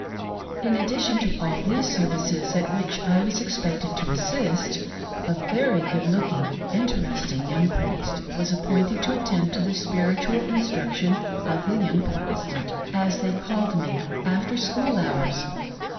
In addition to all these services, at which I was expected to " assist," a very good looking, interesting young priest was appointed to attend to the spiritual instruction of the young Protestant, as they called me, after school hours.